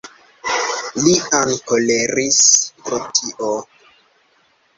Lian koleris pro tio.